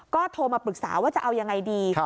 ก็โทรมาปรึกษาว่าจะเอายังไงดี